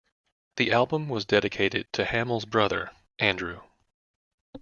The album was dedicated to Hammill's brother, Andrew.